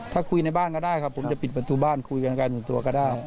ถ้าคุยในบ้านก็ได้ครับผมจะปิดประตูบ้านคุยกันการ๑ตัวก็ได้